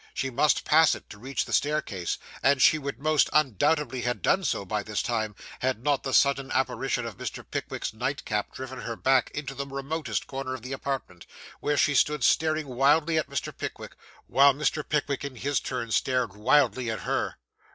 She must pass it, to reach the staircase, and she would most undoubtedly have done so by this time, had not the sudden apparition of Mr. Pickwick's nightcap driven her back into the remotest corner of the apartment, where she stood staring wildly at Mr. Pickwick, while Mr. Pickwick in his turn stared wildly at her.